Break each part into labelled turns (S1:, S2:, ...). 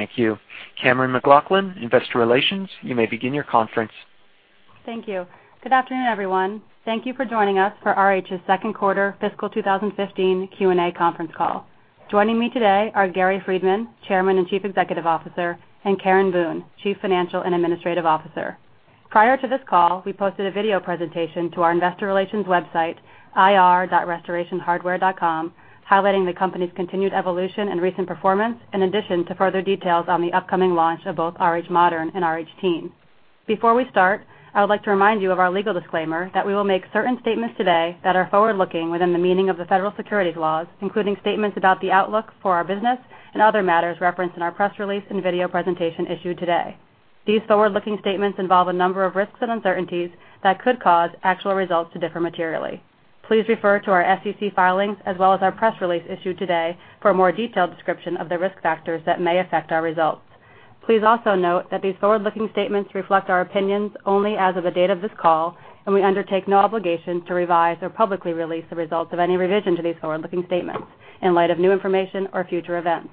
S1: Thank you. Cammeron McLaughlin, Investor Relations, you may begin your conference.
S2: Thank you. Good afternoon, everyone. Thank you for joining us for RH's second quarter fiscal 2015 Q&A conference call. Joining me today are Gary Friedman, Chairman and Chief Executive Officer, and Karen Boone, Chief Financial and Administrative Officer. Prior to this call, we posted a video presentation to our investor relations website, ir.restorationhardware.com, highlighting the company's continued evolution and recent performance, in addition to further details on the upcoming launch of both RH Modern and RH Teen. Before we start, I would like to remind you of our legal disclaimer that we will make certain statements today that are forward-looking within the meaning of the Federal Securities laws, including statements about the outlook for our business and other matters referenced in our press release and video presentation issued today. These forward-looking statements involve a number of risks and uncertainties that could cause actual results to differ materially. Please refer to our SEC filings as well as our press release issued today for a more detailed description of the risk factors that may affect our results. Please also note that these forward-looking statements reflect our opinions only as of the date of this call. We undertake no obligation to revise or publicly release the results of any revision to these forward-looking statements in light of new information or future events.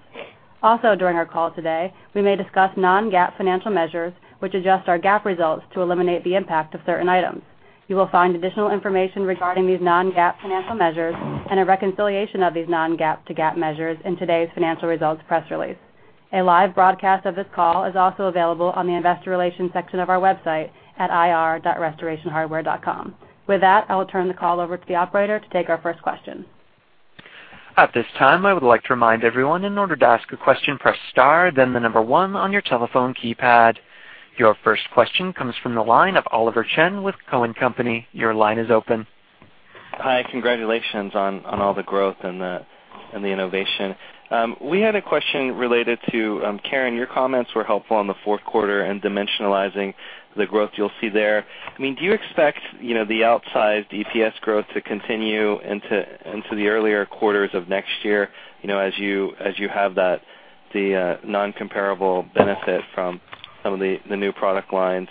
S2: Also during our call today, we may discuss non-GAAP financial measures, which adjust our GAAP results to eliminate the impact of certain items. You will find additional information regarding these non-GAAP financial measures and a reconciliation of these non-GAAP to GAAP measures in today's financial results press release. A live broadcast of this call is also available on the investor relations section of our website at ir.restorationhardware.com. With that, I will turn the call over to the operator to take our first question.
S1: At this time, I would like to remind everyone, in order to ask a question, press star then the number one on your telephone keypad. Your first question comes from the line of Oliver Chen with Cowen and Company. Your line is open.
S3: Hi. Congratulations on all the growth and the innovation. We had a question related to Karen, your comments were helpful on the fourth quarter and dimensionalizing the growth you'll see there. Do you expect the outsized EPS growth to continue into the earlier quarters of next year, as you have the non-comparable benefit from some of the new product lines?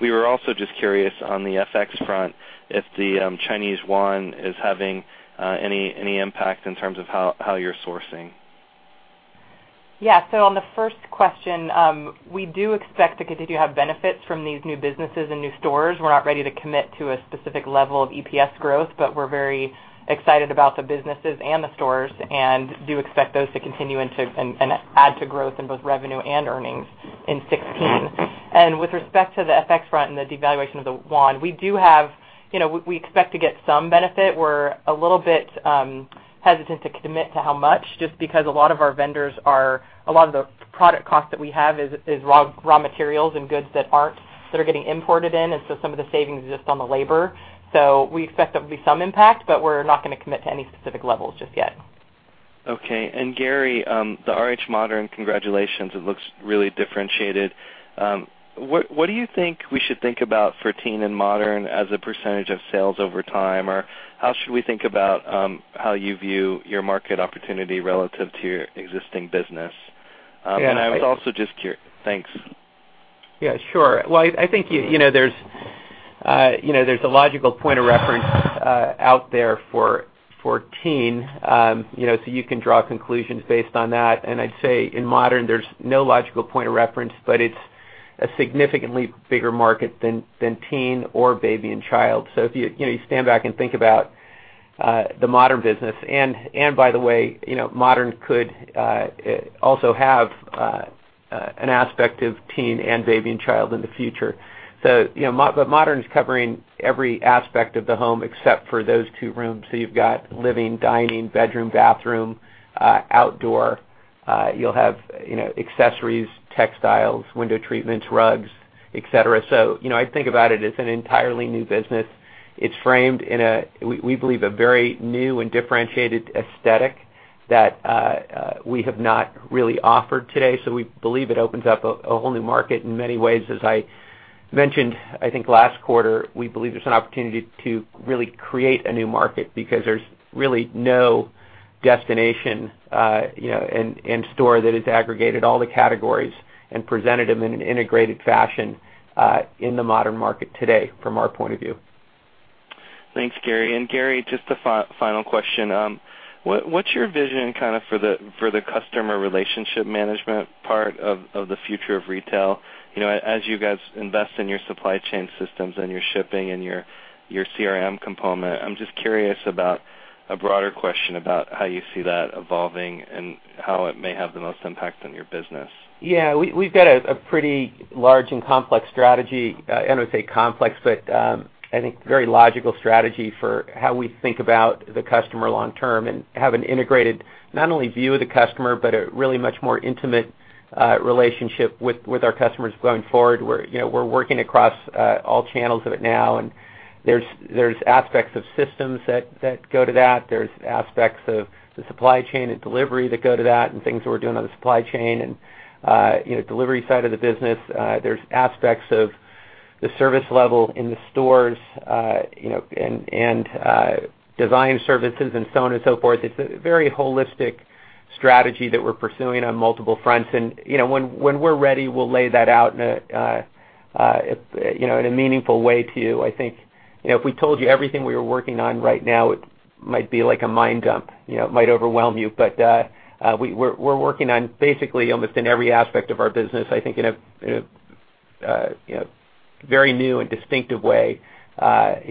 S3: We were also just curious on the FX front, if the Chinese yuan is having any impact in terms of how you're sourcing.
S4: Yeah. On the first question, we do expect to continue to have benefits from these new businesses and new stores. We're not ready to commit to a specific level of EPS growth, but we're very excited about the businesses and the stores and do expect those to continue and add to growth in both revenue and earnings in 2016. With respect to the FX front and the devaluation of the yuan, we expect to get some benefit. We're a little bit hesitant to commit to how much, just because a lot of our vendors. A lot of the product cost that we have is raw materials and goods that aren't, that are getting imported in, and so some of the savings is just on the labor. We expect there will be some impact, but we're not going to commit to any specific levels just yet.
S3: Okay. Gary, the RH Modern, congratulations. It looks really differentiated. What do you think we should think about for Teen and Modern as a percentage of sales over time? How should we think about how you view your market opportunity relative to your existing business?
S5: Yeah- I was also just Thanks. Yeah, sure. I think there's a logical point of reference out there for Teen, so you can draw conclusions based on that. I'd say in Modern, there's no logical point of reference, but it's a significantly bigger market than Teen or Baby and Child. If you stand back and think about the Modern business, and by the way, Modern could also have an aspect of Teen and Baby and Child in the future. Modern's covering every aspect of the home except for those two rooms. You've got living, dining, bedroom, bathroom, outdoor. You'll have accessories, textiles, window treatments, rugs, et cetera. I think about it as an entirely new business. It's framed in, we believe, a very new and differentiated aesthetic that we have not really offered today. We believe it opens up a whole new market in many ways. As I mentioned, I think, last quarter, we believe there's an opportunity to really create a new market because there's really no destination and store that has aggregated all the categories and presented them in an integrated fashion in the Modern market today, from our point of view.
S3: Thanks, Gary. Gary, just a final question. What's your vision for the customer relationship management part of the future of retail? As you guys invest in your supply chain systems and your shipping and your CRM component, I'm just curious about a broader question about how you see that evolving and how it may have the most impact on your business.
S5: Yeah, we've got a pretty large and complex strategy. I wouldn't say complex, but I think very logical strategy for how we think about the customer long term and have an integrated, not only view of the customer, but a really much more intimate relationship with our customers going forward. We're working across all channels of it now, and there's aspects of systems that go to that. There's aspects of the supply chain and delivery that go to that and things that we're doing on the supply chain and delivery side of the business. There's aspects of the service level in the stores and design services and so on and so forth. It's a very holistic strategy that we're pursuing on multiple fronts. When we're ready, we'll lay that out in a meaningful way to you.
S1: I think if we told you everything we were working on right now.
S5: Might be like a mine dump, might overwhelm you. We're working on basically almost in every aspect of our business, I think in a very new and distinctive way. The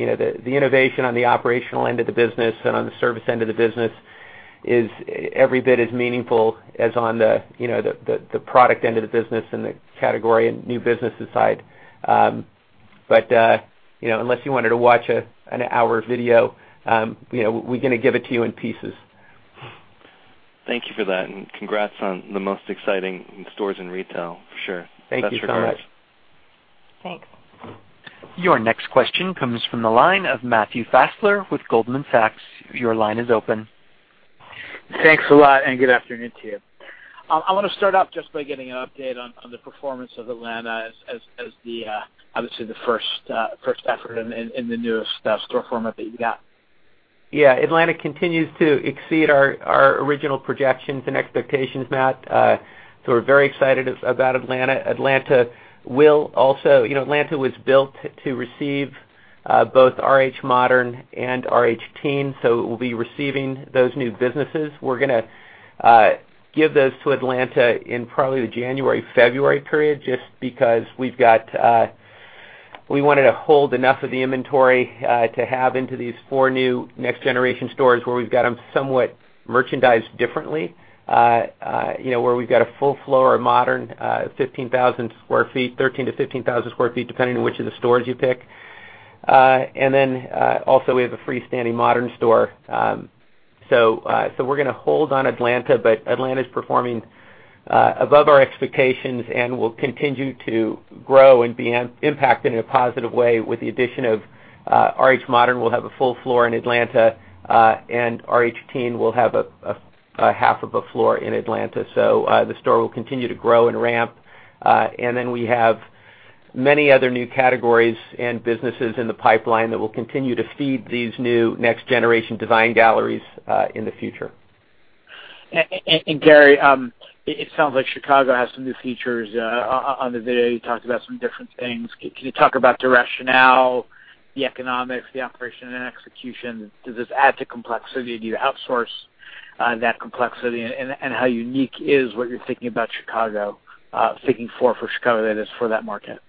S5: innovation on the operational end of the business and on the service end of the business is every bit as meaningful as on the product end of the business and the category and new businesses side. Unless you wanted to watch an hour video, we're going to give it to you in pieces.
S3: Thank you for that, and congrats on the most exciting stores in retail for sure.
S5: Thank you so much.
S4: Thanks.
S1: Your next question comes from the line of Matthew Fassler with Goldman Sachs. Your line is open.
S6: Thanks a lot, good afternoon to you. I want to start off just by getting an update on the performance of Atlanta as obviously the first effort in the newest store format that you've got.
S5: Atlanta continues to exceed our original projections and expectations, Matt. We're very excited about Atlanta. Atlanta was built to receive both RH Modern and RH Teen, it will be receiving those new businesses. We're going to give those to Atlanta in probably the January-February period, just because we wanted to hold enough of the inventory to have into these four new next generation stores where we've got them somewhat merchandised differently, where we've got a full floor of Modern 15,000 sq ft, 13,000-15,000 sq ft, depending on which of the stores you pick. Also we have a freestanding Modern store. We're going to hold on Atlanta's performing above our expectations and will continue to grow and be impacted in a positive way with the addition of RH Modern will have a full floor in Atlanta, and RH Teen will have a half of a floor in Atlanta. The store will continue to grow and ramp. We have many other new categories and businesses in the pipeline that will continue to feed these new next generation design galleries in the future.
S6: Gary, it sounds like Chicago has some new features. On the video, you talked about some different things. Can you talk about the rationale, the economics, the operation and execution? Does this add to complexity? Do you outsource that complexity? How unique is what you're thinking about Chicago, that is, for that market?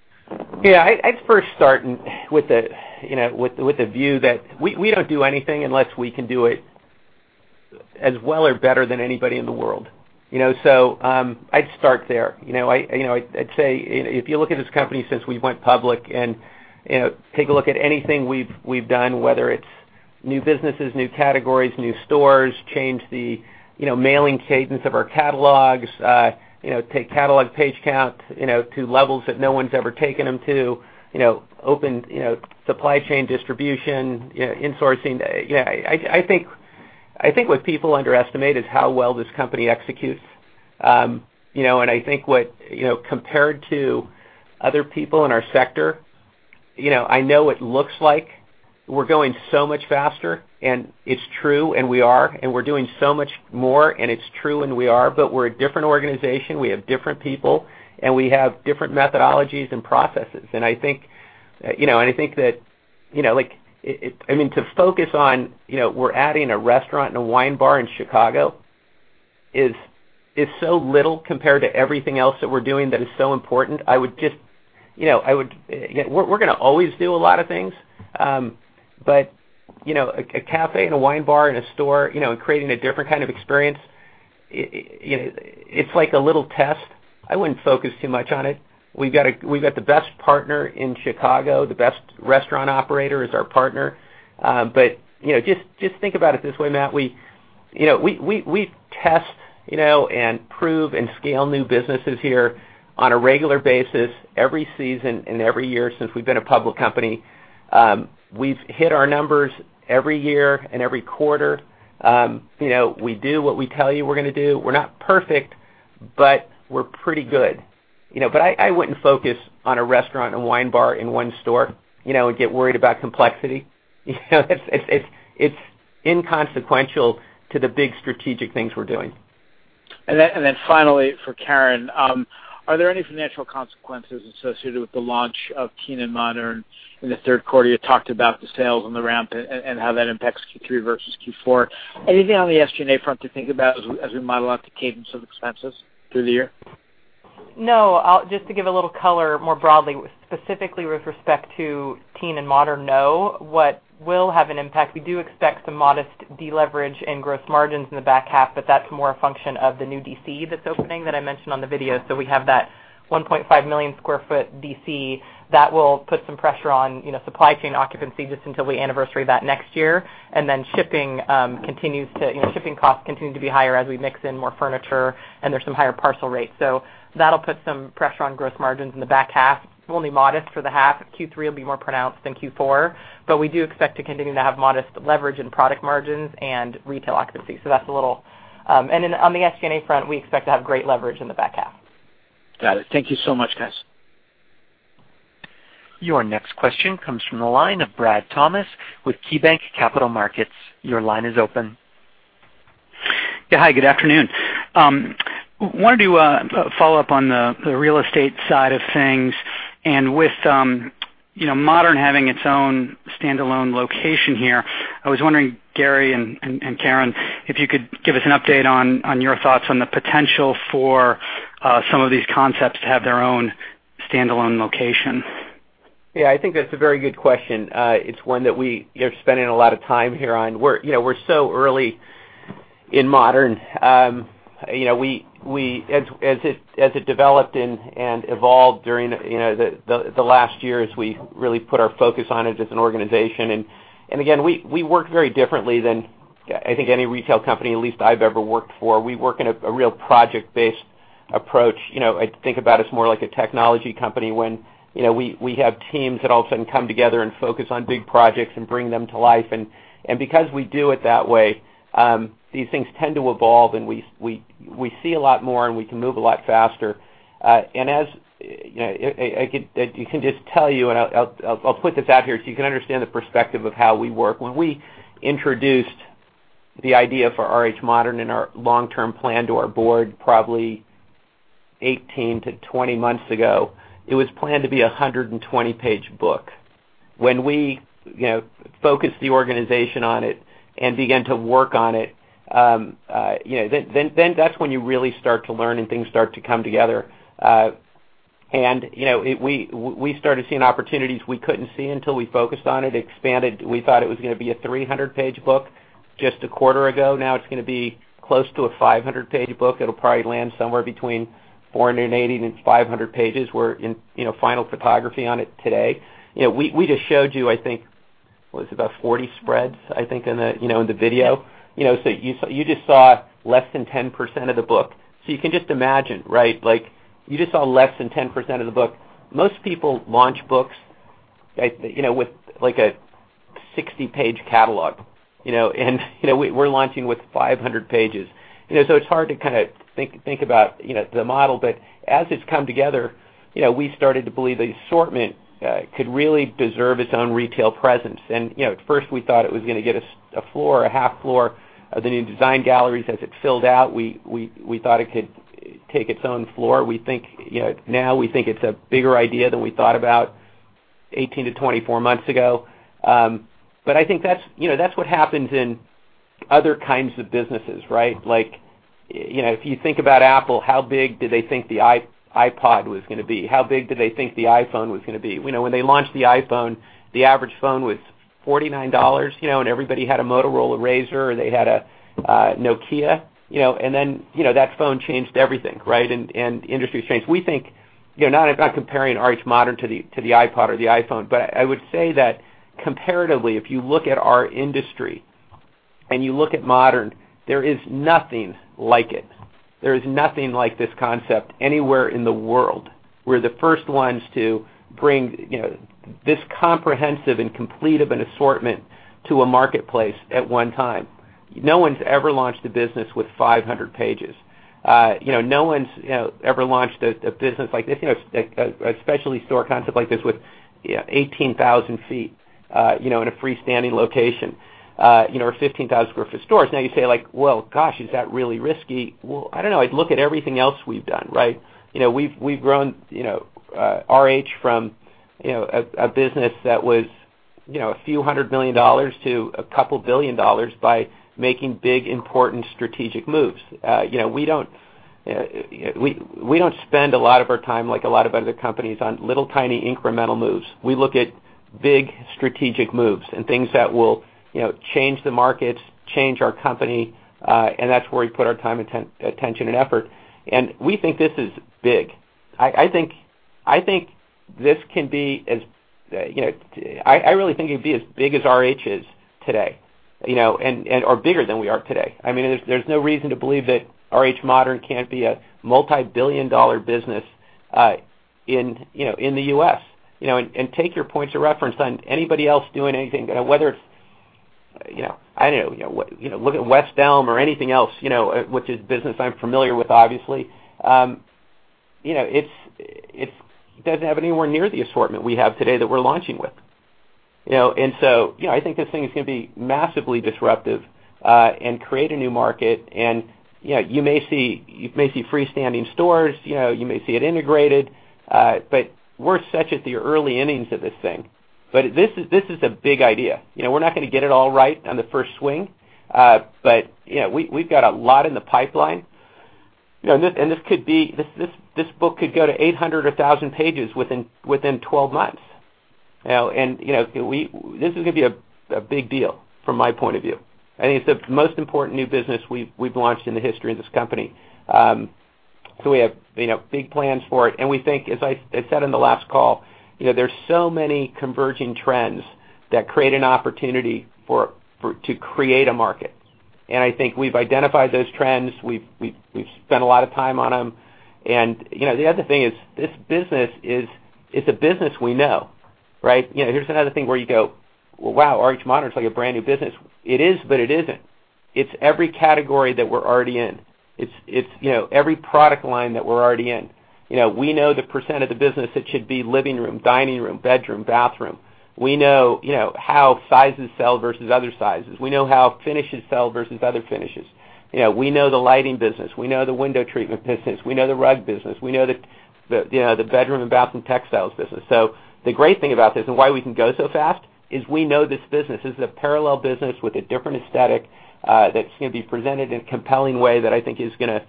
S5: I'd first start with the view that we don't do anything unless we can do it as well or better than anybody in the world. I'd start there. I'd say if you look at this company since we went public, take a look at anything we've done, whether it's new businesses, new categories, new stores, change the mailing cadence of our catalogs, take catalog page count to levels that no one's ever taken them to, open supply chain distribution, insourcing. I think what people underestimate is how well this company executes. I think compared to other people in our sector, I know it looks like we're going so much faster, and it's true, and we are, and we're doing so much more, and it's true, and we are, we're a different organization. We have different people, we have different methodologies and processes. I think that to focus on we're adding a restaurant and a wine bar in Chicago is so little compared to everything else that we're doing that is so important. We're going to always do a lot of things. A cafe and a wine bar in a store, and creating a different kind of experience, it's like a little test. I wouldn't focus too much on it. We've got the best partner in Chicago, the best restaurant operator is our partner. Just think about it this way, Matt, we test and prove and scale new businesses here on a regular basis every season and every year since we've been a public company. We've hit our numbers every year and every quarter. We do what we tell you we're going to do. We're not perfect, we're pretty good. I wouldn't focus on a restaurant and wine bar in one store and get worried about complexity. It's inconsequential to the big strategic things we're doing.
S6: Then finally, for Karen, are there any financial consequences associated with the launch of RH Teen and RH Modern in the third quarter? You talked about the sales and the ramp and how that impacts Q3 versus Q4. Anything on the SG&A front to think about as we model out the cadence of expenses through the year?
S4: No. Just to give a little color more broadly, specifically with respect to RH Teen and RH Modern, no. What will have an impact, we do expect some modest deleverage in gross margins in the back half, but that's more a function of the new DC that's opening that I mentioned on the video. We have that 1.5-million-square-foot DC that will put some pressure on supply chain occupancy just until we anniversary that next year. Then shipping costs continue to be higher as we mix in more furniture, and there's some higher parcel rates. That'll put some pressure on gross margins in the back half. It's only modest for the half. Q3 will be more pronounced than Q4. We do expect to continue to have modest leverage in product margins and retail occupancy. On the SG&A front, we expect to have great leverage in the back half.
S6: Got it. Thank you so much, guys.
S1: Your next question comes from the line of Bradley Thomas with KeyBanc Capital Markets. Your line is open.
S7: Yeah. Hi, good afternoon. Wanted to follow up on the real estate side of things and with Modern having its own standalone location here, I was wondering, Gary and Karen, if you could give us an update on your thoughts on the potential for some of these concepts to have their own standalone location.
S5: Yeah, I think that's a very good question. It's one that we are spending a lot of time here on. We're so early in Modern. As it developed and evolved during the last years, we really put our focus on it as an organization. Again, we work very differently than I think any retail company, at least I've ever worked for. We work in a real project-based approach. I think about us more like a technology company when we have teams that all of a sudden come together and focus on big projects and bring them to life. Because we do it that way, these things tend to evolve, and we see a lot more, and we can move a lot faster. I can just tell you, and I'll put this out here so you can understand the perspective of how we work. When we introduced the idea for RH Modern in our long-term plan to our board probably 18 to 20 months ago, it was planned to be a 120-page book. When we focused the organization on it and began to work on it, then that's when you really start to learn and things start to come together. We started seeing opportunities we couldn't see until we focused on it, expanded. We thought it was going to be a 300-page book just a quarter ago. Now it's going to be close to a 500-page book. It'll probably land somewhere between 480 and 500 pages. We're in final photography on it today. We just showed you, I think, what was it? About 40 spreads, I think, in the video. You just saw less than 10% of the book. You can just imagine, right? You just saw less than 10% of the book. Most people launch books with a 60-page catalog. We're launching with 500 pages. It's hard to think about the model. As it's come together, we started to believe the assortment could really deserve its own retail presence. At first, we thought it was going to get a floor or a half floor of the new design galleries. As it filled out, we thought it could take its own floor. Now we think it's a bigger idea than we thought about 18 to 24 months ago. I think that's what happens in other kinds of businesses, right? If you think about Apple, how big did they think the iPod was going to be? How big did they think the iPhone was going to be? When they launched the iPhone, the average phone was $49, and everybody had a Motorola Razr, or they had a Nokia. That phone changed everything, right? The industry has changed. I'm not comparing RH Modern to the iPod or the iPhone, I would say that comparatively, if you look at our industry and you look at Modern, there is nothing like it. There is nothing like this concept anywhere in the world. We're the first ones to bring this comprehensive and complete of an assortment to a marketplace at one time. No one's ever launched a business with 500 pages. No one's ever launched a business like this, a specialty store concept like this with 18,000 feet in a freestanding location or 15,000 square foot stores. You say, "Well, gosh, is that really risky?" Well, I don't know. I'd look at everything else we've done, right? We've grown RH from a business that was a few hundred million dollars to a couple billion dollars by making big, important strategic moves. We don't spend a lot of our time, like a lot of other companies, on little, tiny incremental moves. We look at big strategic moves and things that will change the markets, change our company, and that's where we put our time, attention, and effort. We think this is big. I really think it'd be as big as RH is today or bigger than we are today. There's no reason to believe that RH Modern can't be a multibillion-dollar business in the U.S. Take your points of reference on anybody else doing anything, whether it's, I don't know, look at West Elm or anything else which is business I'm familiar with, obviously. It doesn't have anywhere near the assortment we have today that we're launching with. I think this thing is going to be massively disruptive and create a new market. You may see freestanding stores, you may see it integrated. We're such at the early innings of this thing. This is a big idea. We're not going to get it all right on the first swing. We've got a lot in the pipeline. This book could go to 800 or 1,000 pages within 12 months. This is going to be a big deal from my point of view. I think it's the most important new business we've launched in the history of this company. We have big plans for it, and we think, as I said on the last call, there's so many converging trends that create an opportunity to create a market. I think we've identified those trends. We've spent a lot of time on them. The other thing is this business is a business we know, right? Here's another thing where you go, "Wow, RH Modern is like a brand-new business." It is, but it isn't. It's every category that we're already in. It's every product line that we're already in. We know the % of the business that should be living room, dining room, bedroom, bathroom. We know how sizes sell versus other sizes. We know how finishes sell versus other finishes. We know the lighting business. We know the window treatment business. We know the rug business. We know the bedroom and bathroom textiles business. The great thing about this and why we can go so fast is we know this business. This is a parallel business with a different aesthetic that's going to be presented in a compelling way that I think is going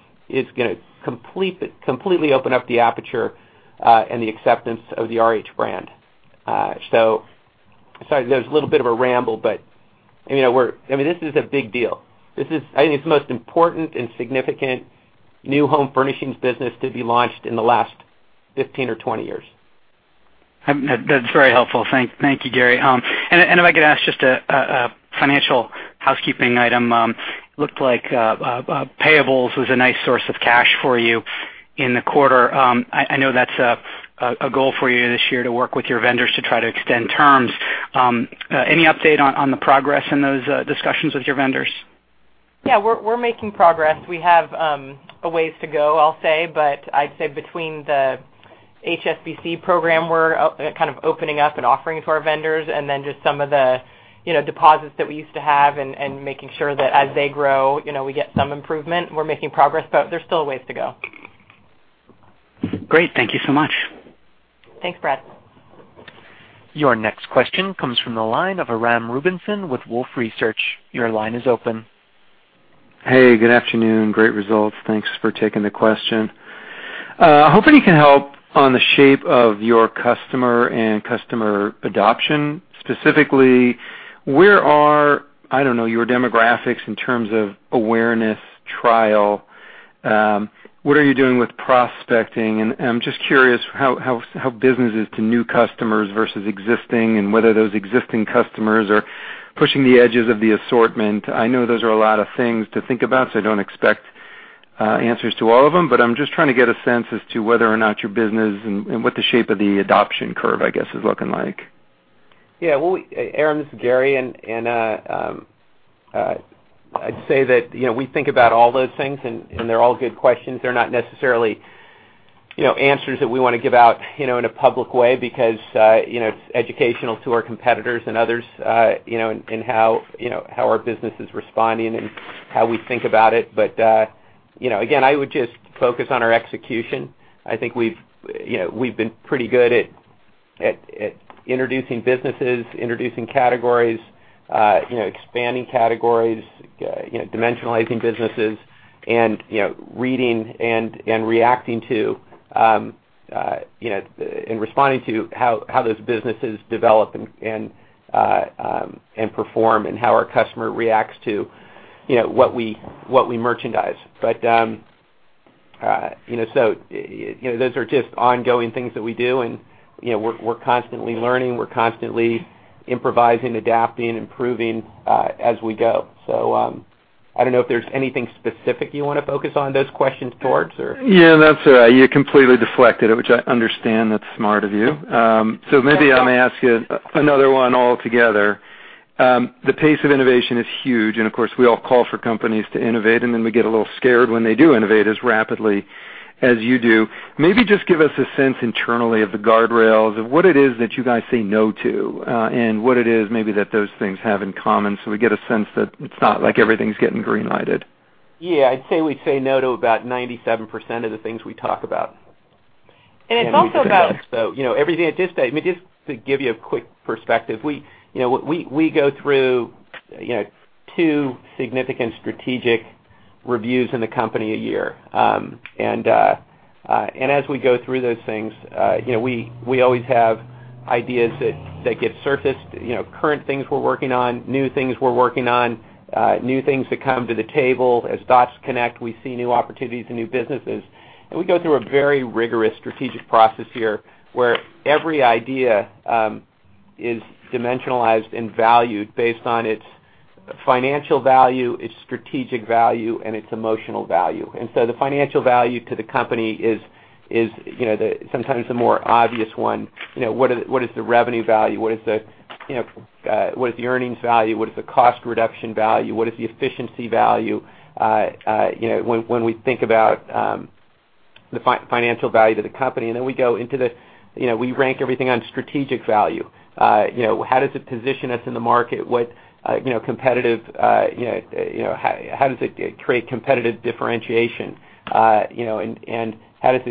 S5: to completely open up the aperture and the acceptance of the RH brand. Sorry if that was a little bit of a ramble, but this is a big deal. I think it's the most important and significant new home furnishings business to be launched in the last 15 or 20 years.
S7: That's very helpful. Thank you, Gary. If I could ask just a financial housekeeping item. Looked like payables was a nice source of cash for you in the quarter. I know that's a goal for you this year to work with your vendors to try to extend terms. Any update on the progress in those discussions with your vendors?
S4: We're making progress. We have a ways to go, I'll say. I'd say between the HSBC program we're opening up and offering to our vendors and then just some of the deposits that we used to have and making sure that as they grow, we get some improvement. We're making progress, there's still a ways to go.
S7: Great. Thank you so much.
S4: Thanks, Brad.
S1: Your next question comes from the line of Aram Rubinson with Wolfe Research. Your line is open.
S8: Hey, good afternoon. Great results. Thanks for taking the question. Hoping you can help on the shape of your customer and customer adoption. Specifically, where are, I don't know, your demographics in terms of awareness, trial? What are you doing with prospecting? I'm just curious how business is to new customers versus existing and whether those existing customers are pushing the edges of the assortment. I know those are a lot of things to think about, so I don't expect answers to all of them, but I'm just trying to get a sense as to whether or not your business and what the shape of the adoption curve, I guess, is looking like.
S5: Yeah. Well, Aram, this is Gary, I'd say that we think about all those things, they're all good questions. They're not necessarily answers that we want to give out in a public way because it's educational to our competitors and others in how our business is responding and how we think about it. Again, I would just focus on our execution. I think we've been pretty good at introducing businesses, introducing categories, expanding categories, dimensionalizing businesses, and reading and reacting to and responding to how those businesses develop and perform and how our customer reacts to what we merchandise. Those are just ongoing things that we do, and we're constantly learning, we're constantly improvising, adapting, improving as we go. I don't know if there's anything specific you want to focus on those questions towards.
S8: Yeah, that's all right. You completely deflected it, which I understand. That's smart of you. Maybe I'll ask you another one altogether. The pace of innovation is huge, of course, we all call for companies to innovate, then we get a little scared when they do innovate as rapidly as you do. Maybe just give us a sense internally of the guardrails of what it is that you guys say no to and what it is maybe that those things have in common, so we get a sense that it's not like everything's getting green-lighted.
S5: Yeah. I'd say we say no to about 97% of the things we talk about.
S4: It's also about.
S5: Just to give you a quick perspective, we go through 2 significant strategic reviews in the company a year. As we go through those things, we always have ideas that get surfaced, current things we're working on, new things we're working on, new things that come to the table. As dots connect, we see new opportunities and new businesses. We go through a very rigorous strategic process here where every idea is dimensionalized and valued based on its financial value, its strategic value, and its emotional value. The financial value to the company is sometimes the more obvious one. What is the revenue value? What is the earnings value? What is the cost reduction value? What is the efficiency value? When we think about the financial value to the company, then we rank everything on strategic value. How does it position us in the market? How does it create competitive differentiation? How does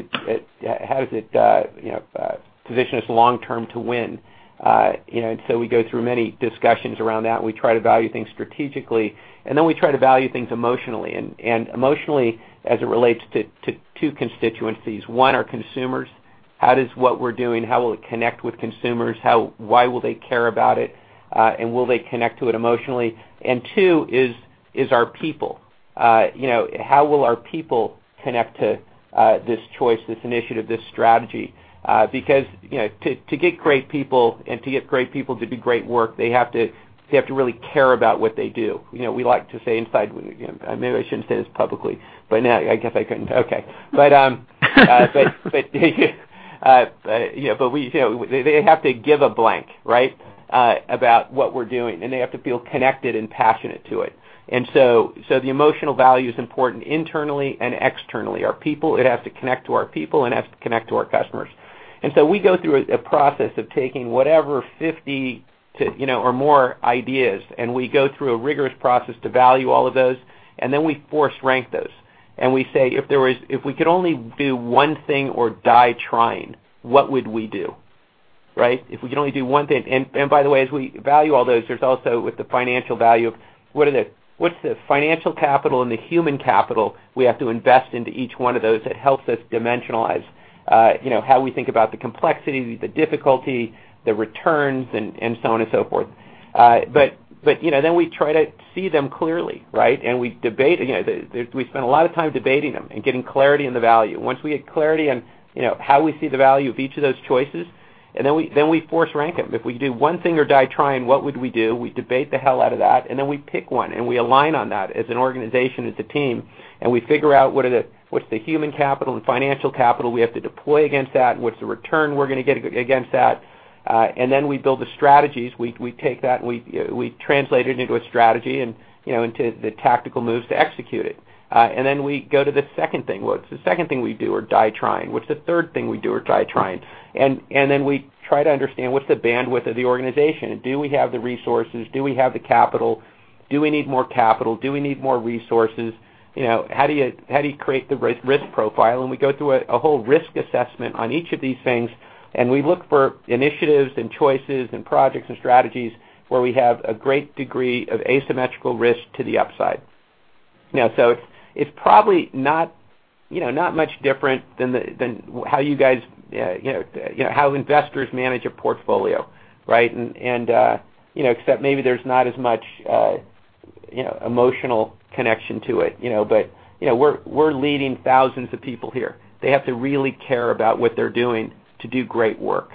S5: it position us long term to win? We go through many discussions around that, we try to value things strategically. Then we try to value things emotionally. Emotionally as it relates to 2 constituencies. One, our consumers. How does what we're doing, how will it connect with consumers? Why will they care about it? Will they connect to it emotionally? Two is our people. How will our people connect to this choice, this initiative, this strategy? Because to get great people and to get great people to do great work, they have to really care about what they do. We like to say inside Maybe I shouldn't say this publicly, but now I guess I can. They have to give a blank, right, about what we're doing, and they have to feel connected and passionate to it. The emotional value is important internally and externally. It has to connect to our people and it has to connect to our customers. We go through a process of taking whatever 50 or more ideas, we go through a rigorous process to value all of those, then we force rank those. We say, if we could only do one thing or die trying, what would we do? Right? If we could only do one thing. By the way, as we value all those, there's also with the financial value of, what's the financial capital and the human capital we have to invest into each one of those that helps us dimensionalize how we think about the complexity, the difficulty, the returns, and so on and so forth. Then we try to see them clearly, right? We debate. We spend a lot of time debating them and getting clarity in the value. Once we get clarity on how we see the value of each of those choices, then we force rank them. If we do one thing or die trying, what would we do? We debate the hell out of that, then we pick one, and we align on that as an organization, as a team, and we figure out what's the human capital and financial capital we have to deploy against that, and what's the return we're going to get against that. Then we build the strategies. We take that, and we translate it into a strategy and into the tactical moves to execute it. Then we go to the second thing. What's the second thing we'd do or die trying? What's the third thing we'd do or die trying? Then we try to understand what's the bandwidth of the organization. Do we have the resources? Do we have the capital? Do we need more capital? Do we need more resources? How do you create the risk profile? We go through a whole risk assessment on each of these things, and we look for initiatives and choices and projects and strategies where we have a great degree of asymmetrical risk to the upside. It's probably not much different than how investors manage a portfolio, right? Except maybe there's not as much emotional connection to it. We're leading thousands of people here. They have to really care about what they're doing to do great work.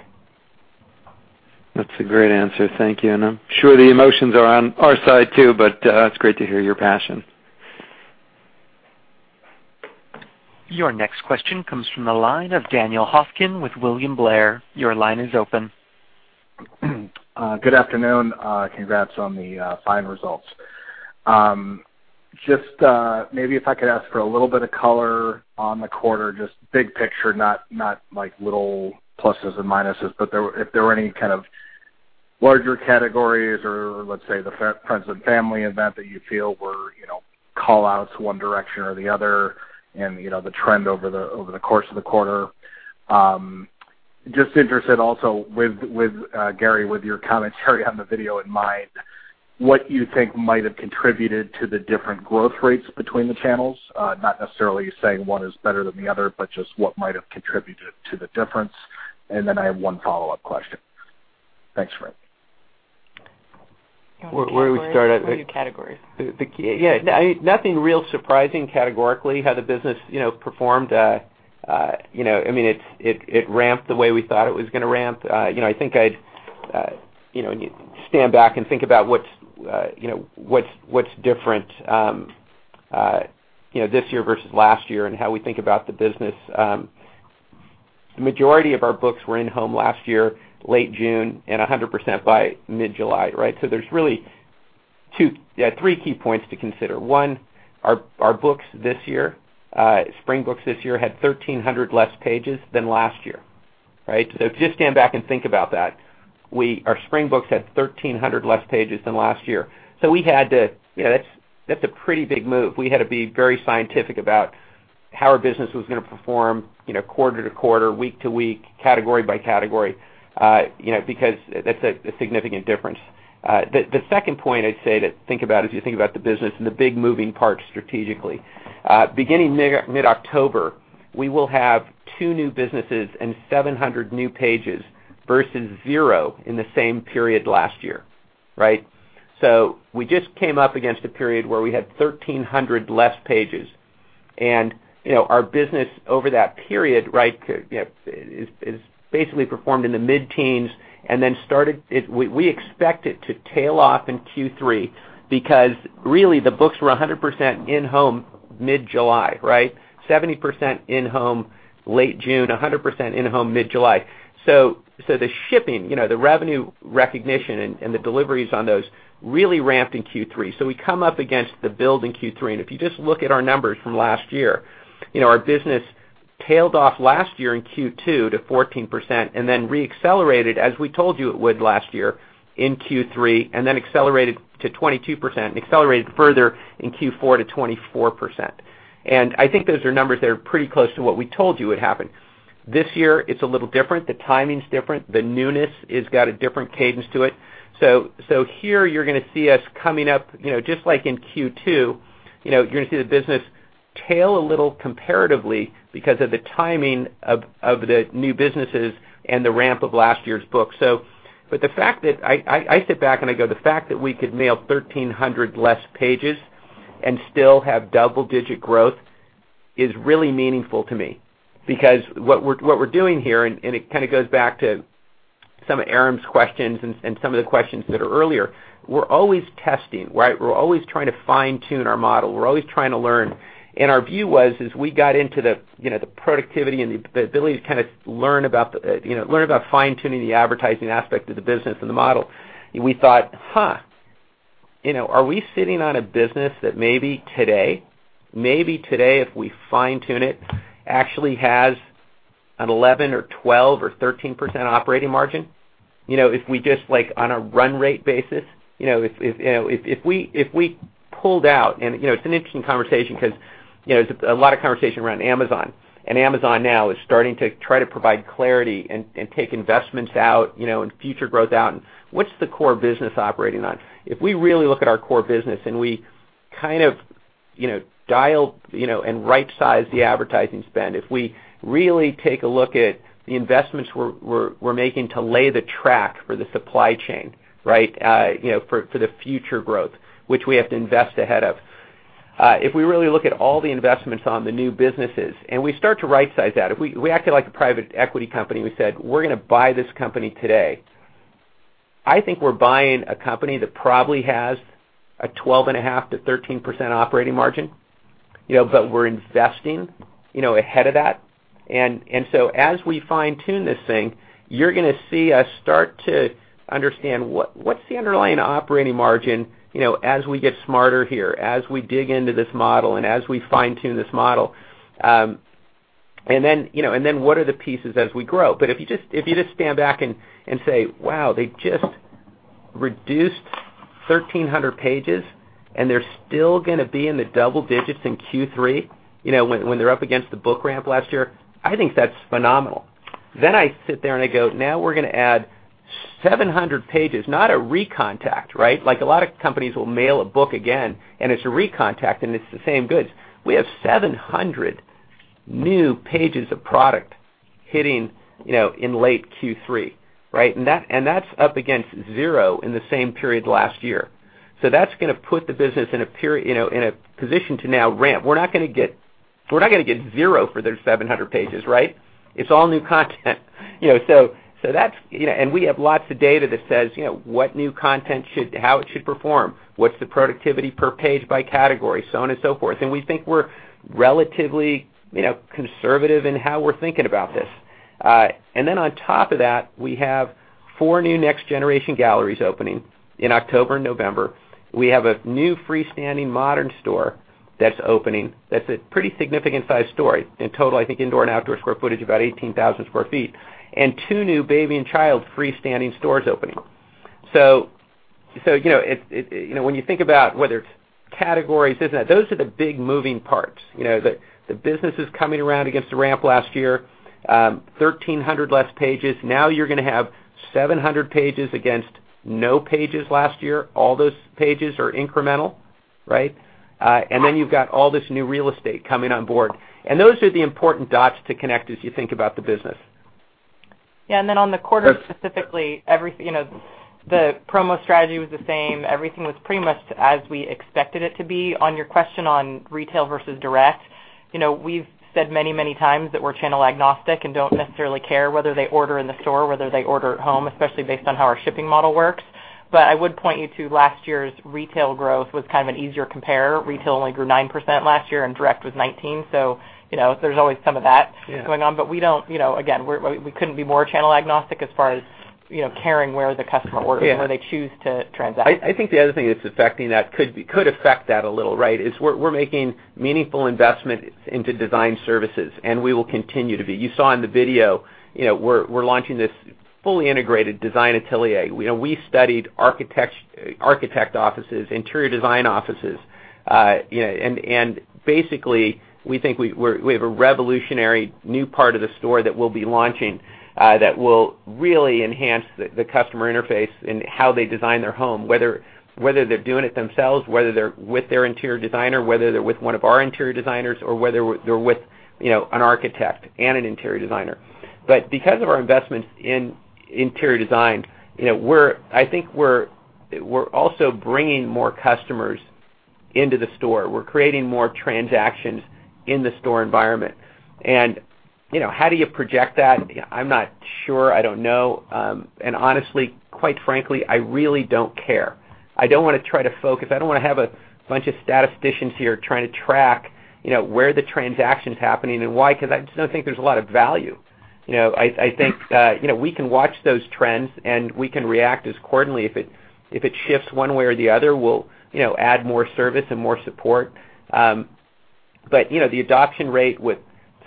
S8: That's a great answer. Thank you. I'm sure the emotions are on our side, too, but it's great to hear your passion.
S1: Your next question comes from the line of Daniel Hoffman with William Blair. Your line is open.
S9: Good afternoon. Congrats on the fine results. Just maybe if I could ask for a little bit of color on the quarter, just big picture, not like little pluses and minuses, but if there were any kind of larger categories or, let's say, the friends and family event that you feel were call-outs one direction or the other and the trend over the course of the quarter. Just interested also, Gary, with your commentary on the video in mind, what you think might have contributed to the different growth rates between the channels. Not necessarily saying one is better than the other, but just what might have contributed to the difference. Then I have one follow-up question. Thanks for it.
S5: Where do we start?
S10: Categories.
S5: Nothing real surprising categorically how the business performed. It ramped the way we thought it was going to ramp. I think I'd stand back and think about what's different this year versus last year and how we think about the business. The majority of our books were in home last year, late June, and 100% by mid-July, right? There's really three key points to consider. One, our spring books this year had 1,300 less pages than last year. Right? Just stand back and think about that. Our spring books had 1,300 less pages than last year. That's a pretty big move. We had to be very scientific about how our business was going to perform quarter to quarter, week to week, category by category, because that's a significant difference. The second point I'd say to think about as you think about the business and the big moving parts strategically. Beginning mid-October, we will have two new businesses and 700 new pages versus zero in the same period last year. Right? We just came up against a period where we had 1,300 less pages, and our business over that period, right, is basically performed in the mid-teens. Then we expect it to tail off in Q3 because really the books were 100% in-home mid-July, right? 70% in-home late June, 100% in-home mid-July. The shipping, the revenue recognition and the deliveries on those really ramped in Q3. We come up against the build in Q3. If you just look at our numbers from last year, our business tailed off last year in Q2 to 14% then re-accelerated, as we told you it would last year, in Q3, accelerated to 22% and accelerated further in Q4 to 24%. I think those are numbers that are pretty close to what we told you would happen. This year it's a little different. The timing's different. The newness has got a different cadence to it. Here you're going to see us coming up, just like in Q2, you're going to see the business tail a little comparatively because of the timing of the new businesses and the ramp of last year's book. I sit back and I go, the fact that we could mail 1,300 less pages and still have double-digit growth is really meaningful to me. What we're doing here, some of Aram's questions and some of the questions that are earlier. We're always testing. We're always trying to fine-tune our model. We're always trying to learn. Our view was, as we got into the productivity and the ability to learn about fine-tuning the advertising aspect of the business and the model, we thought, huh, are we sitting on a business that maybe today, if we fine-tune it, actually has an 11 or 12 or 13% operating margin? If we just, on a run rate basis. If we pulled out. It's an interesting conversation because, there's a lot of conversation around Amazon, and Amazon now is starting to try to provide clarity and take investments out, and future growth out, and what's the core business operating on? If we really look at our core business and we dial, right-size the advertising spend, if we really take a look at the investments we're making to lay the track for the supply chain, for the future growth, which we have to invest ahead of. If we really look at all the investments on the new businesses, and we start to right-size that. If we acted like a private equity company and we said, "We're going to buy this company today." I think we're buying a company that probably has a 12.5 to 13% operating margin, but we're investing ahead of that. As we fine-tune this thing, you're going to see us start to understand what's the underlying operating margin, as we get smarter here, as we dig into this model and as we fine-tune this model. What are the pieces as we grow? If you just stand back and say, "Wow, they just reduced 1,300 pages and they're still going to be in the double digits in Q3, when they're up against the book ramp last year," I think that's phenomenal. I sit there and I go, now we're going to add 700 pages. Not a recontact. A lot of companies will mail a book again, and it's a recontact, and it's the same goods. We have 700 new pages of product hitting in late Q3. That's up against zero in the same period last year. That's going to put the business in a position to now ramp. We're not going to get zero for those 700 pages. It's all new content. We have lots of data that says, what new content, how it should perform, what's the productivity per page by category, so on and so forth. We think we're relatively conservative in how we're thinking about this. On top of that, we have four new next generation galleries opening in October and November. We have a new freestanding modern store that's opening that's a pretty significant size story. In total, I think indoor and outdoor square footage, about 18,000 square feet. Two new baby and child freestanding stores opening. When you think about whether it's categories, this and that, those are the big moving parts. The business is coming around against the ramp last year, 1,300 less pages. Now you're going to have 700 pages against no pages last year. All those pages are incremental. You've got all this new real estate coming on board. Those are the important dots to connect as you think about the business.
S4: On the quarter specifically, the promo strategy was the same. Everything was pretty much as we expected it to be. On your question on retail versus direct, we've said many times that we're channel agnostic and don't necessarily care whether they order in the store or whether they order at home, especially based on how our shipping model works. I would point you to last year's retail growth was kind of an easier compare. Retail only grew 9% last year, and direct was 19%. There's always some of that going on. Again, we couldn't be more channel agnostic as far as caring where the customer orders or where they choose to transact.
S5: I think the other thing that could affect that a little is we're making meaningful investment into design services, and we will continue to be. You saw in the video, we're launching this fully integrated RH Design Atelier. We studied architect offices, interior design offices. Basically, we think we have a revolutionary new part of the store that we'll be launching that will really enhance the customer interface and how they design their home. Whether they're doing it themselves, whether they're with their interior designer, whether they're with one of our interior designers, or whether they're with an architect and an interior designer. Because of our investments in interior design, I think we're also bringing more customers into the store. We're creating more transactions in the store environment. How do you project that? I'm not sure. I don't know. Honestly, quite frankly, I really don't care. I don't want to try to focus. I don't want to have a bunch of statisticians here trying to track where the transaction's happening and why, because I just don't think there's a lot of value. I think we can watch those trends, and we can react accordingly. If it shifts one way or the other, we'll add more service and more support. The adoption rate with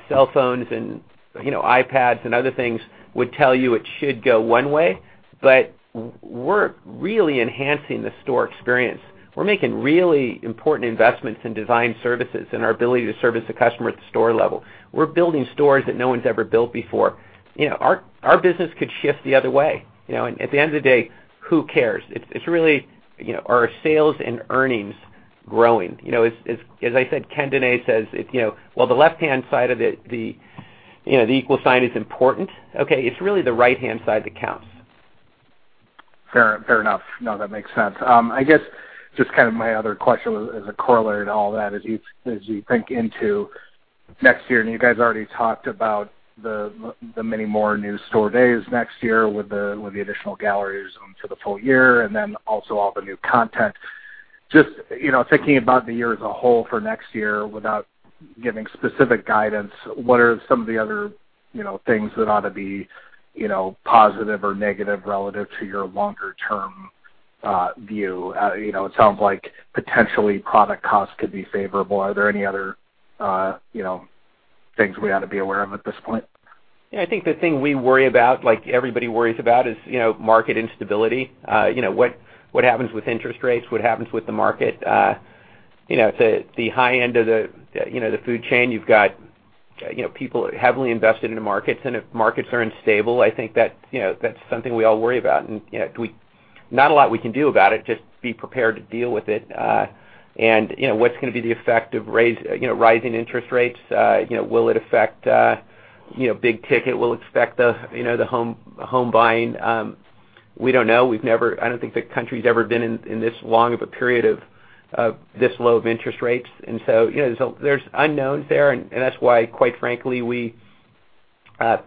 S5: cell phones and iPads and other things would tell you it should go one way, but we're really enhancing the store experience. We're making really important investments in design services and our ability to service the customer at the store level. We're building stores that no one's ever built before. Our business could shift the other way. At the end of the day, who cares? It's really are sales and earnings growing? As I said, Ken Denay says, while the left-hand side of the equal sign is important, okay, it's really the right-hand side that counts.
S9: Fair enough. That makes sense. I guess just my other question was as a corollary to all that is as you think into next year, you guys already talked about the many more new store days next year with the additional galleries for the full year, also all the new content. Just thinking about the year as a whole for next year without giving specific guidance, what are some of the other things that ought to be positive or negative relative to your longer-term view? It sounds like potentially product costs could be favorable. Are there any other things we ought to be aware of at this point?
S5: I think the thing we worry about, like everybody worries about, is market instability. What happens with interest rates? What happens with the market? At the high end of the food chain, you've got people heavily invested in the markets. If markets are unstable, I think that's something we all worry about. Not a lot we can do about it, just be prepared to deal with it. What's going to be the effect of rising interest rates? Will it affect big ticket? Will it affect the home buying? We don't know. I don't think the country's ever been in this long of a period of this low of interest rates. There's unknowns there, that's why, quite frankly, we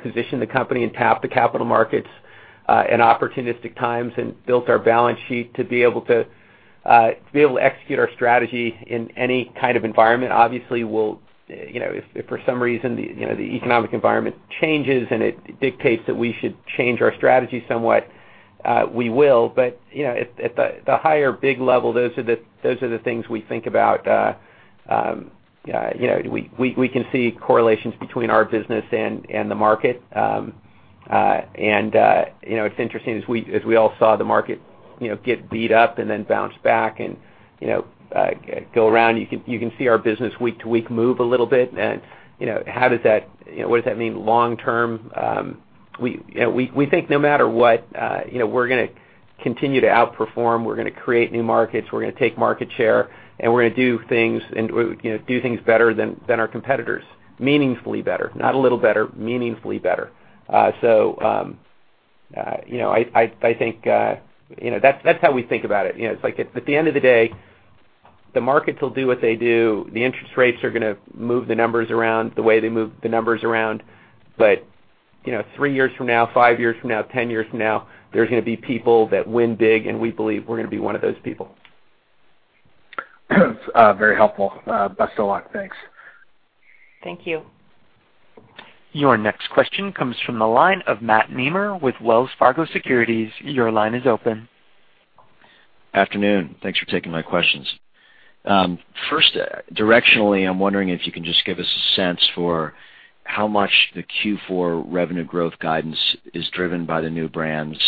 S5: positioned the company and tapped the capital markets at opportunistic times and built our balance sheet to be able to execute our strategy in any kind of environment. Obviously, if for some reason, the economic environment changes and it dictates that we should change our strategy somewhat, we will. At the higher, big level, those are the things we think about. We can see correlations between our business and the market. It's interesting as we all saw the market get beat up and then bounce back and go around, you can see our business week to week move a little bit and what does that mean long term? We think no matter what, we're going to continue to outperform. We're going to create new markets, we're going to take market share, and we're going to do things better than our competitors. Meaningfully better, not a little better, meaningfully better. That's how we think about it. It's like at the end of the day, the markets will do what they do. The interest rates are going to move the numbers around the way they move the numbers around. Three years from now, five years from now, 10 years from now, there's going to be people that win big, and we believe we're going to be one of those people.
S9: Very helpful. Best of luck. Thanks.
S5: Thank you.
S1: Your next question comes from the line of Matt Nemer with Wells Fargo Securities. Your line is open.
S11: Afternoon. Thanks for taking my questions. First, directionally, I'm wondering if you can just give us a sense for how much the Q4 revenue growth guidance is driven by the new brands,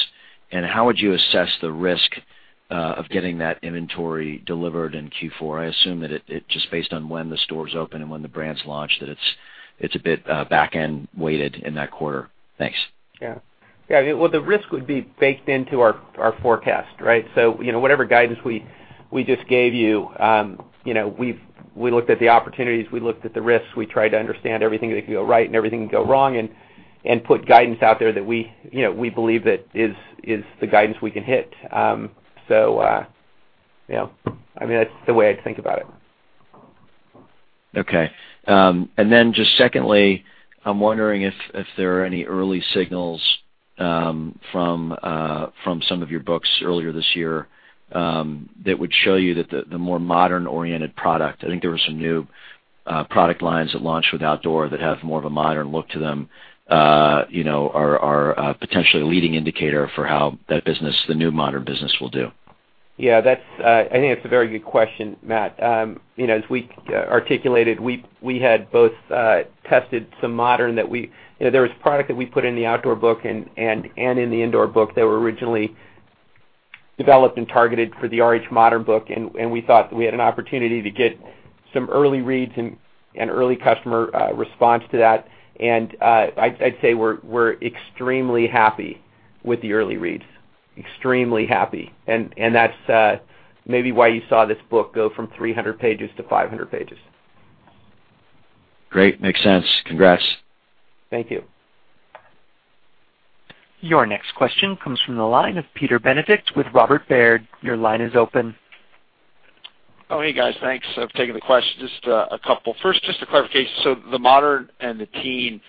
S11: and how would you assess the risk of getting that inventory delivered in Q4? I assume that it just based on when the stores open and when the brands launch, that it's a bit back-end weighted in that quarter. Thanks.
S5: Yeah. Well, the risk would be baked into our forecast, right? Whatever guidance we just gave you, we looked at the opportunities, we looked at the risks. We tried to understand everything that could go right and everything that could go wrong and put guidance out there that we believe that is the guidance we can hit. That's the way I think about it.
S11: Okay. Just secondly, I'm wondering if there are any early signals from some of your books earlier this year that would show you that the more modern-oriented product, I think there were some new product lines that launched with outdoor that have more of a modern look to them, are a potentially leading indicator for how that business, the new RH Modern business, will do.
S5: Yeah, I think that's a very good question, Matt. As we articulated, we had both tested some modern that there was product that we put in the outdoor book and in the indoor book that were originally developed and targeted for the RH Modern book, and we thought we had an opportunity to get some early reads and early customer response to that. I'd say we're extremely happy with the early reads. Extremely happy. That's maybe why you saw this book go from 300 pages to 500 pages.
S11: Great. Makes sense. Congrats.
S5: Thank you.
S1: Your next question comes from the line of Peter Benedict with Robert W. Baird. Your line is open.
S12: Oh, hey, guys. Thanks for taking the question. Just a couple. First, just a clarification. The Modern and the Teen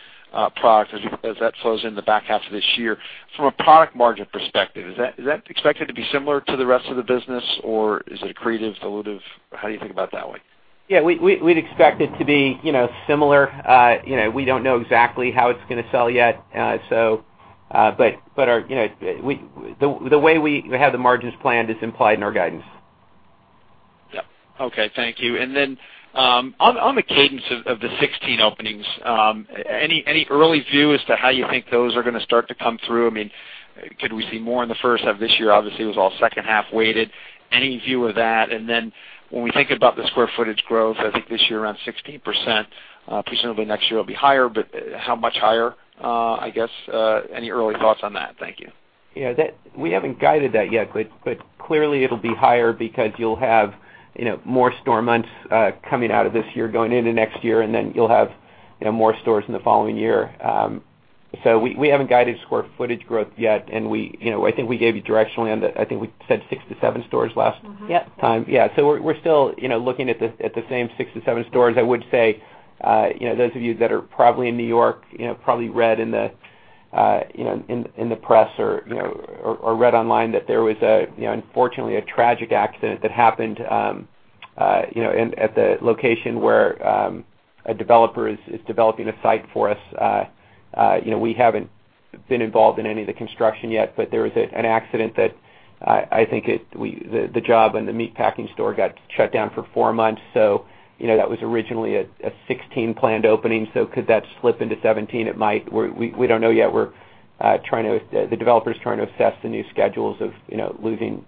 S12: product, as that flows in the back half of this year, from a product margin perspective, is that expected to be similar to the rest of the business, or is it accretive, dilutive? How do you think about that one?
S5: Yeah, we'd expect it to be similar. We don't know exactly how it's going to sell yet. The way we have the margins planned is implied in our guidance.
S12: Yep. Okay. Thank you. On the cadence of the 16 openings, any early view as to how you think those are going to start to come through? Could we see more in the first half of this year? Obviously, it was all second-half weighted. Any view of that? When we think about the square footage growth, I think this year around 16%, presumably next year will be higher, but how much higher? I guess, any early thoughts on that? Thank you.
S5: Yeah. We haven't guided that yet, clearly it'll be higher because you'll have more store months coming out of this year, going into next year, you'll have more stores in the following year. We haven't guided square footage growth yet, I think we gave you directionally on that. I think we said 6 to 7 stores last- time. Yeah. We're still looking at the same 6 to 7 stores. I would say, those of you that are probably in N.Y., probably read in the press or read online that there was unfortunately a tragic accident that happened at the location where a developer is developing a site for us. We haven't been involved in any of the construction yet, there was an accident that I think the job and the Meatpacking store got shut down for four months. That was originally a 16 planned opening, could that slip into 17? It might. We don't know yet. The developer's trying to assess the new schedules of losing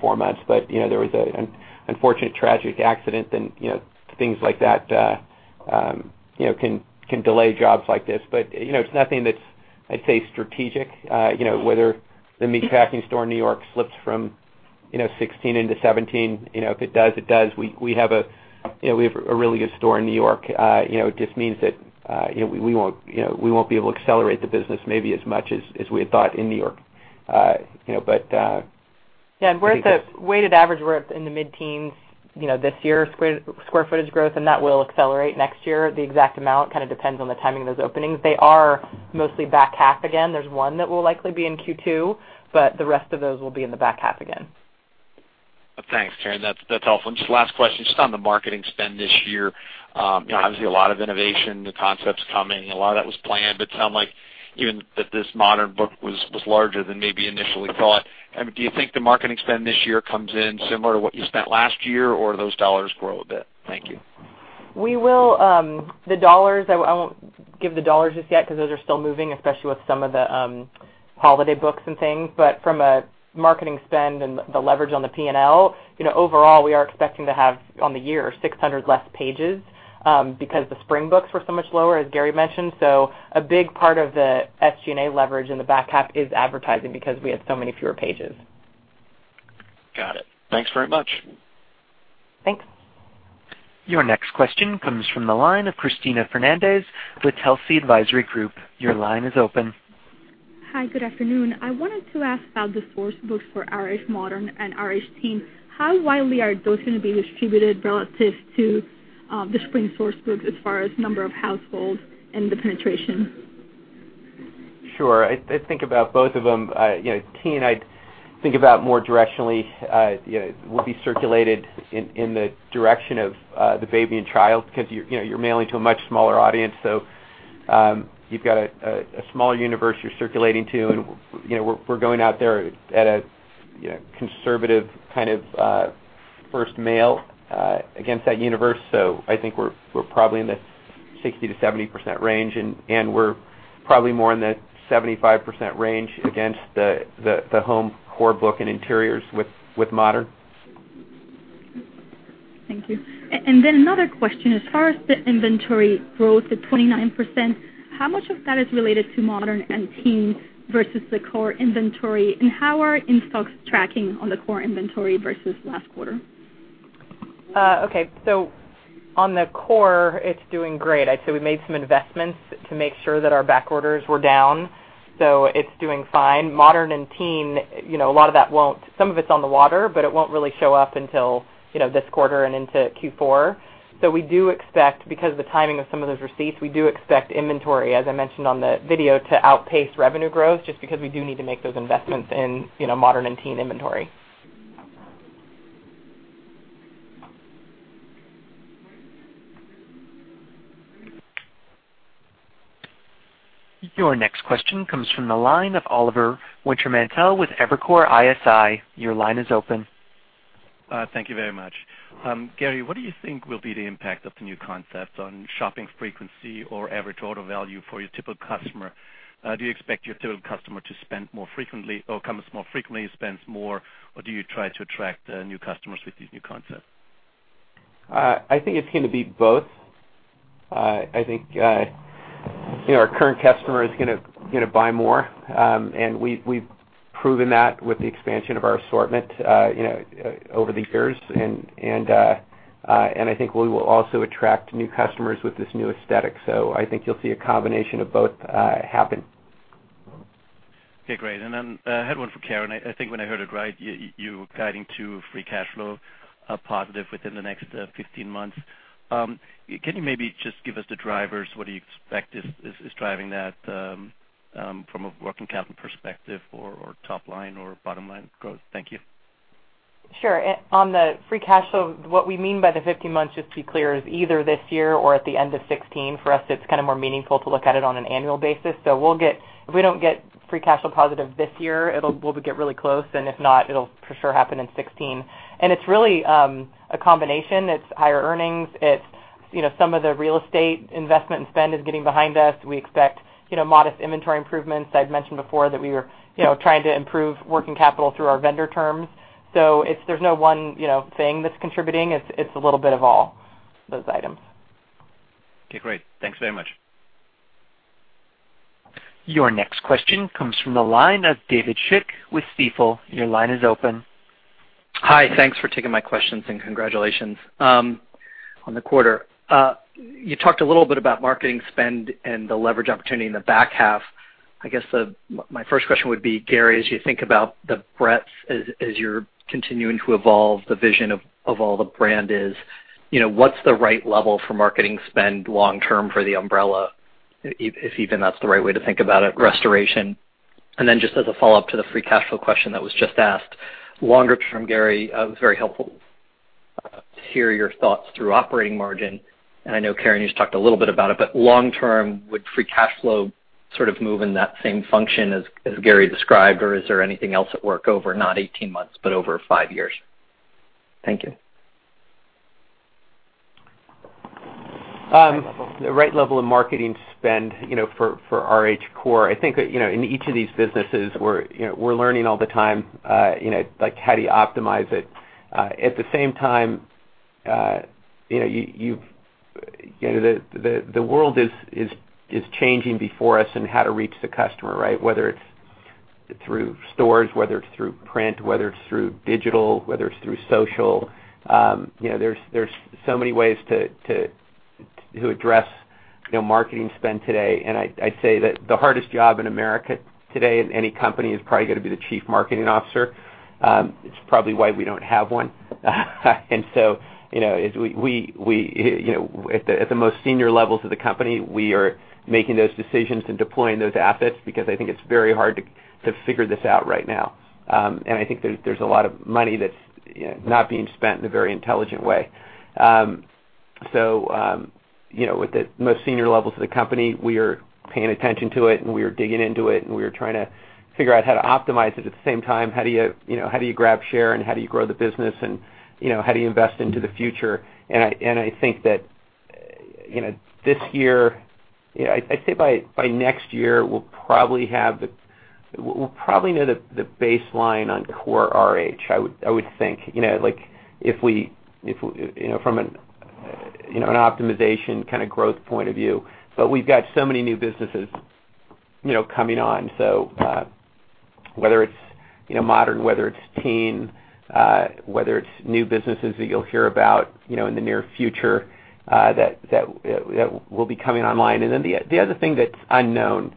S5: four months. There was an unfortunate, tragic accident and things like that can delay jobs like this. It's nothing that's, I'd say strategic, whether the Meatpacking store in New York slips from 16 into 17. If it does, it does. We have a really good store in New York. It just means that we won't be able to accelerate the business maybe as much as we had thought in New York.
S4: Yeah. The weighted average, we're up in the mid-teens this year, square footage growth, and that will accelerate next year. The exact amount kind of depends on the timing of those openings. They are mostly back half again. There's one that will likely be in Q2, the rest of those will be in the back half again.
S12: Thanks, Karen. That's helpful. Just last question, just on the marketing spend this year. Obviously, a lot of innovation, the concepts coming, a lot of that was planned, it sound like even that this Modern book was larger than maybe initially thought. Do you think the marketing spend this year comes in similar to what you spent last year, or do those dollars grow a bit? Thank you.
S4: The dollars, I won't give the dollars just yet because those are still moving, especially with some of the holiday books and things. From a marketing spend and the leverage on the P&L, overall, we are expecting to have, on the year, 600 less pages, because the spring books were so much lower, as Gary mentioned. A big part of the SG&A leverage in the back half is advertising because we have so many fewer pages.
S12: Got it. Thanks very much.
S4: Thanks.
S1: Your next question comes from the line of Cristina Fernandez with Telsey Advisory Group. Your line is open.
S13: Hi. Good afternoon. I wanted to ask about the source books for RH Modern and RH Teen. How widely are those going to be distributed relative to the spring source books as far as number of households and the penetration?
S5: Sure. I think about both of them. Teen, I think about more directionally, will be circulated in the direction of the baby and child because you're mailing to a much smaller audience. You've got a smaller universe you're circulating to, and we're going out there at a conservative kind of first mail against that universe. I think we're probably in the 60%-70% range, and we're probably more in the 75% range against the home core book and interiors with Modern.
S13: Thank you. Another question. As far as the inventory growth at 29%, how much of that is related to Modern and Teen versus the core inventory, and how are in-stocks tracking on the core inventory versus last quarter?
S4: Okay. On the core, it's doing great. I'd say we made some investments to make sure that our back orders were down. It's doing fine. Modern and Teen, some of it's on the water, it won't really show up until this quarter and into Q4. We do expect, because of the timing of some of those receipts, we do expect inventory, as I mentioned on the video, to outpace revenue growth, just because we do need to make those investments in Modern and Teen inventory.
S1: Your next question comes from the line of Oliver Wintermantel with Evercore ISI. Your line is open.
S14: Thank you very much. Gary, what do you think will be the impact of the new concept on shopping frequency or average order value for your typical customer? Do you expect your typical customer to spend more frequently or comes more frequently, spends more, or do you try to attract new customers with these new concepts?
S5: I think it's going to be both. I think our current customer is going to buy more, and we've proven that with the expansion of our assortment over the years. I think we will also attract new customers with this new aesthetic. I think you'll see a combination of both happen.
S14: Okay, great. I had one for Karen. I think when I heard it right, you were guiding to free cash flow, positive within the next 15 months. Can you maybe just give us the drivers? What do you expect is driving that from a working capital perspective or top line or bottom line growth? Thank you.
S4: Sure. On the free cash flow, what we mean by the 15 months, just to be clear, is either this year or at the end of 2016. For us, it's more meaningful to look at it on an annual basis. If we don't get free cash flow positive this year, we'll get really close, and if not, it'll for sure happen in 2016. It's really a combination. It's higher earnings. It's some of the real estate investment and spend is getting behind us. We expect modest inventory improvements. I'd mentioned before that we were trying to improve working capital through our vendor terms. There's no one thing that's contributing. It's a little bit of all those items.
S14: Okay, great. Thanks very much.
S1: Your next question comes from the line of David Schick with Stifel. Your line is open.
S15: Hi. Thanks for taking my questions, and congratulations on the quarter. You talked a little bit about marketing spend and the leverage opportunity in the back half. I guess my first question would be, Gary, as you think about the breadth, as you're continuing to evolve the vision of all the brand is, what's the right level for marketing spend long-term for the umbrella, if even that's the right way to think about it, Restoration? Just as a follow-up to the free cash flow question that was just asked. Longer term, Gary, it was very helpful to hear your thoughts through operating margin, and I know, Karen, you just talked a little bit about it, but long term, would free cash flow sort of move in that same function as Gary described, or is there anything else at work over not 18 months, but over five years? Thank you.
S5: The right level of marketing spend for RH Core, I think, in each of these businesses we're learning all the time, like how do you optimize it. At the same time, the world is changing before us in how to reach the customer, right? Whether it's through stores, whether it's through print, whether it's through digital, whether it's through social. There's so many ways to address marketing spend today, and I'd say that the hardest job in America today in any company is probably going to be the chief marketing officer. It's probably why we don't have one. So at the most senior levels of the company, we are making those decisions and deploying those assets because I think it's very hard to figure this out right now. I think there's a lot of money that's not being spent in a very intelligent way. With the most senior levels of the company, we are paying attention to it, and we are digging into it, and we are trying to figure out how to optimize it. At the same time, how do you grab share and how do you grow the business, and how do you invest into the future? I think that this year. I'd say by next year, we'll probably know the baseline on core RH, I would think. From an optimization kind of growth point of view. We've got so many new businesses coming on. Whether it's Modern, whether it's Teen, whether it's new businesses that you'll hear about in the near future that will be coming online. Then the other thing that's unknown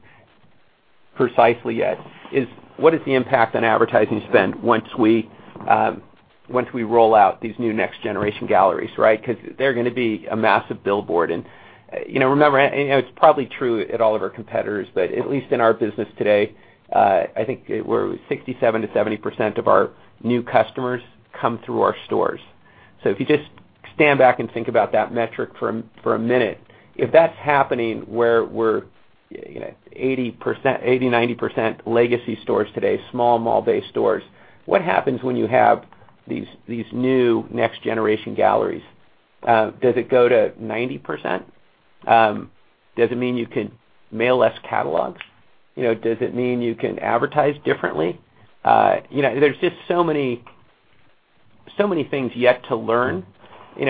S5: precisely yet is what is the impact on advertising spend once we roll out these new next generation galleries, right? They're going to be a massive billboard. Remember, it's probably true at all of our competitors, but at least in our business today, I think we're at 67%-70% of our new customers come through our stores. If you just stand back and think about that metric for a minute, if that's happening where we're 80%, 90% legacy stores today, small mall-based stores, what happens when you have these new next generation galleries? Does it go to 90%? Does it mean you could mail less catalogs? Does it mean you can advertise differently? There's just so many things yet to learn. One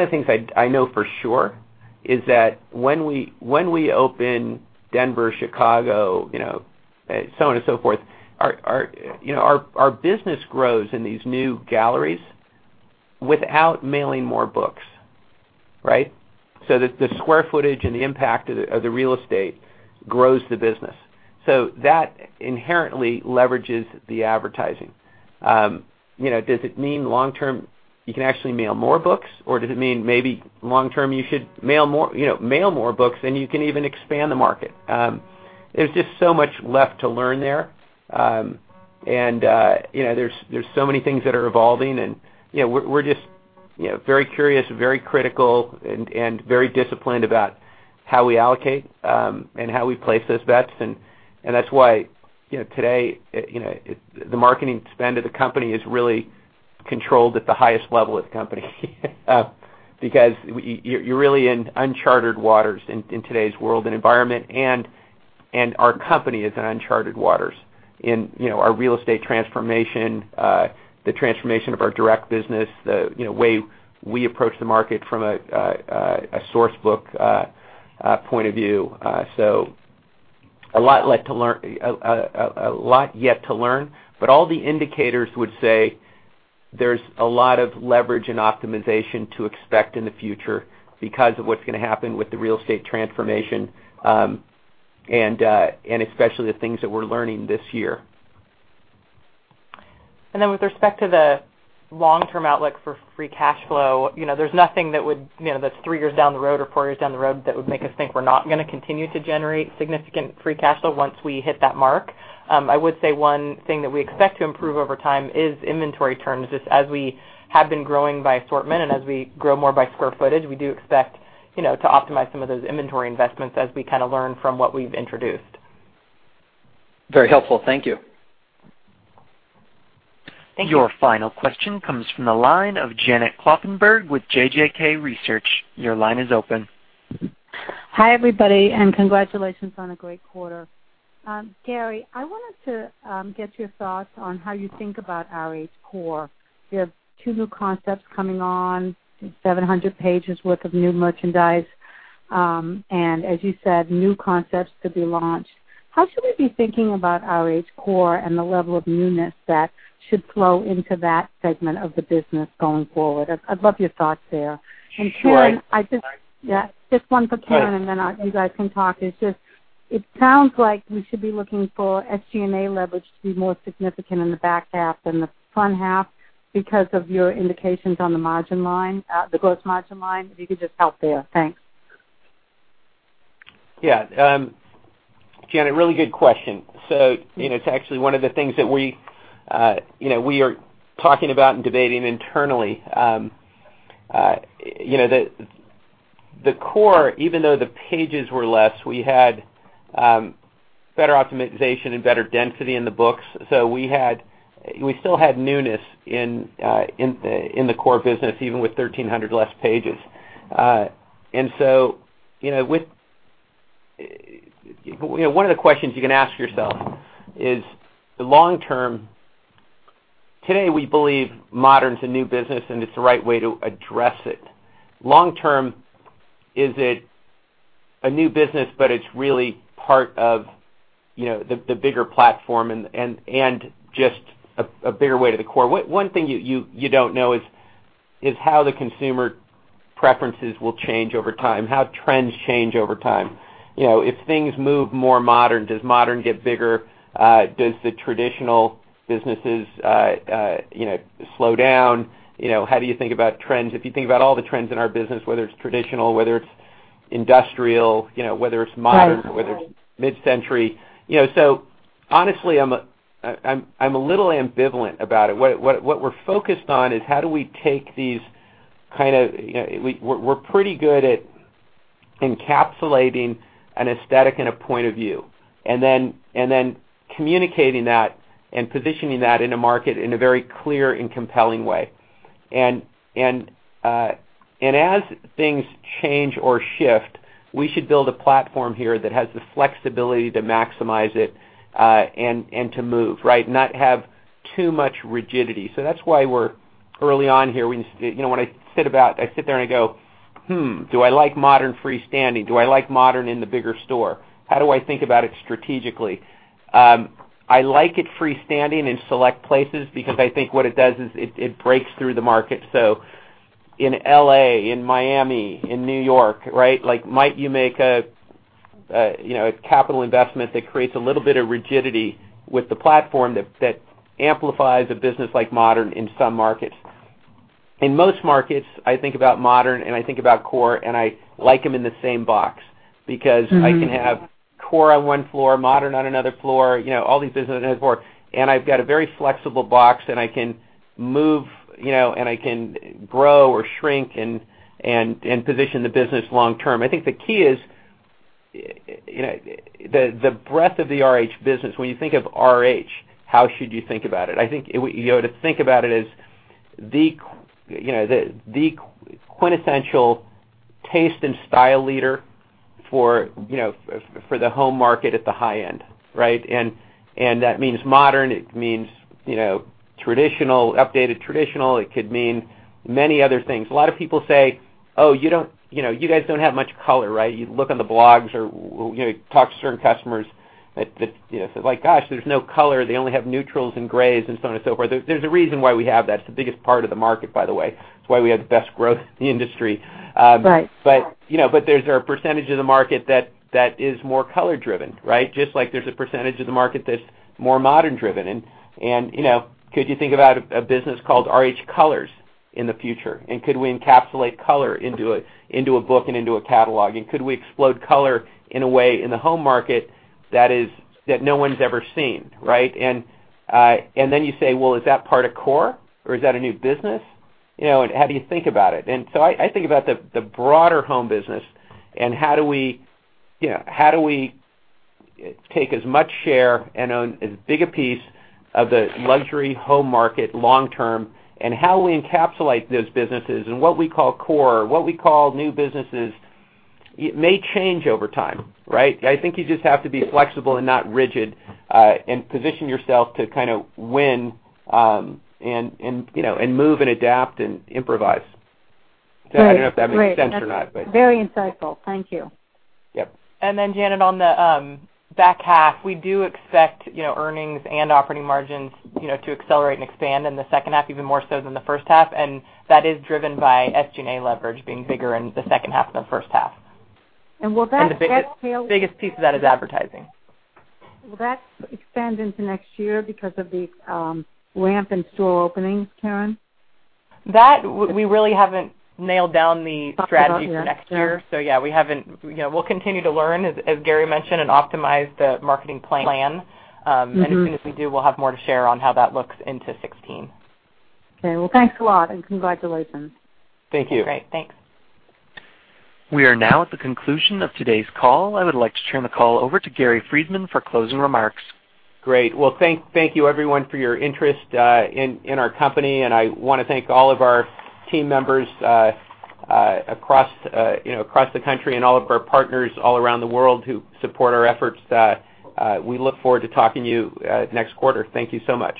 S5: of the things I know for sure is that when we open Denver, Chicago, so on and so forth, our business grows in these new galleries without mailing more books, right? The square footage and the impact of the real estate grows the business. That inherently leverages the advertising. Does it mean long-term you can actually mail more books, or does it mean maybe long-term you should mail more books, and you can even expand the market? There's just so much left to learn there. There's so many things that are evolving, and we're just very curious, very critical, and very disciplined about how we allocate, and how we place those bets. That's why today the marketing spend of the company is really controlled at the highest level of the company. You're really in unchartered waters in today's world and environment, and our company is in unchartered waters in our real estate transformation, the transformation of our direct business, the way we approach the market from a source book point of view. A lot yet to learn, but all the indicators would say there's a lot of leverage and optimization to expect in the future because of what's going to happen with the real estate transformation, and especially the things that we're learning this year.
S4: With respect to the long-term outlook for free cash flow, there's nothing that's three years down the road or four years down the road that would make us think we're not going to continue to generate significant free cash flow once we hit that mark. I would say one thing that we expect to improve over time is inventory turns, just as we have been growing by assortment and as we grow more by square footage, we do expect to optimize some of those inventory investments as we kind of learn from what we've introduced.
S15: Very helpful. Thank you.
S4: Thank you.
S1: Your final question comes from the line of Janet Kloppenburg with JJK Research. Your line is open.
S16: Hi, everybody, and congratulations on a great quarter. Gary, I wanted to get your thoughts on how you think about RH Core. You have two new concepts coming on, 700 pages worth of new merchandise, and as you said, new concepts to be launched. How should we be thinking about RH Core and the level of newness that should flow into that segment of the business going forward? I'd love your thoughts there.
S5: Sure.
S16: Karen, just one for Karen, then you guys can talk. It sounds like we should be looking for SG&A leverage to be more significant in the back half than the front half because of your indications on the gross margin line. If you could just help there. Thanks.
S5: Yeah. Janet, really good question. It's actually one of the things that we are talking about and debating internally. The Core, even though the pages were less, we had better optimization and better density in the books. We still had newness in the Core business, even with 1,300 less pages. One of the questions you can ask yourself is, the long term, today we believe Modern's a new business and it's the right way to address it. Long term, is it a new business, but it's really part of the bigger platform and just a bigger way to the Core? One thing you don't know is how the consumer preferences will change over time, how trends change over time. If things move more Modern, does Modern get bigger? Does the traditional businesses slow down? How do you think about trends? If you think about all the trends in our business, whether it's traditional, whether it's industrial, whether it's Modern.
S16: Right
S5: whether it's mid-century. Honestly, I'm a little ambivalent about it. What we're focused on is how do we take We're pretty good at encapsulating an aesthetic and a point of view, and then communicating that and positioning that in a market in a very clear and compelling way. As things change or shift, we should build a platform here that has the flexibility to maximize it, and to move, and not have too much rigidity. That's why we're early on here. When I sit there and I go, "Hmm, do I like Modern freestanding? Do I like Modern in the bigger store? How do I think about it strategically?" I like it freestanding in select places because I think what it does is it breaks through the market. In L.A., in Miami, in New York. Might you make a capital investment that creates a little bit of rigidity with the platform that amplifies a business like Modern in some markets? In most markets, I think about Modern and I think about Core, and I like them in the same box because I can have Core on one floor, Modern on another floor, all these businesses on another floor. I've got a very flexible box and I can move and I can grow or shrink and position the business long term. I think the key is the breadth of the RH business. When you think of RH, how should you think about it? I think you ought to think about it as the quintessential taste and style leader for the home market at the high end. That means Modern. It means traditional, updated traditional. It could mean many other things. A lot of people say, "Oh, you guys don't have much color." You look on the blogs or talk to certain customers that say, "Gosh, there's no color. They only have neutrals and grays," and so on and so forth. There's a reason why we have that. It's the biggest part of the market, by the way. It's why we have the best growth in the industry.
S16: Right.
S5: There's a percentage of the market that is more color-driven. Just like there's a percentage of the market that's more Modern-driven. Could you think about a business called RH Color in the future? Could we encapsulate color into a book and into a catalog? Could we explode color in a way in the home market that no one's ever seen? Then you say, "Well, is that part of Core or is that a new business?" How do you think about it? I think about the broader home business and how do we take as much share and own as big a piece of the luxury home market long term, and how we encapsulate those businesses and what we call Core, what we call new businesses. It may change over time. I think you just have to be flexible and not rigid, and position yourself to win and move and adapt and improvise.
S16: Great.
S5: I don't know if that makes sense or not.
S16: Very insightful. Thank you.
S5: Yep.
S4: Janet, on the back half, we do expect earnings and operating margins to accelerate and expand in the second half, even more so than the first half. That is driven by SG&A leverage being bigger in the second half than the first half.
S16: Will that
S4: The biggest piece of that is advertising.
S16: Will that expand into next year because of the ramp in store openings, Karen?
S4: That, we really haven't nailed down the strategy for next year.
S16: Got you. Sure.
S4: Yeah, we'll continue to learn, as Gary mentioned, and optimize the marketing plan. As soon as we do, we'll have more to share on how that looks into 2016.
S16: Okay. Well, thanks a lot and congratulations.
S5: Thank you.
S4: Great. Thanks.
S1: We are now at the conclusion of today's call. I would like to turn the call over to Gary Friedman for closing remarks.
S5: Great. Well, thank you everyone for your interest in our company. I want to thank all of our team members across the country and all of our partners all around the world who support our efforts. We look forward to talking to you next quarter. Thank you so much.